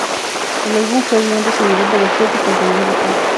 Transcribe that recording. El álbum fue bien recibido por los críticos de música.